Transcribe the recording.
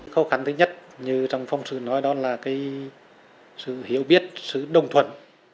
khó khăn thứ nhất như trọng phong sư nói đó là cái sự hiểu biết sự đồng thuận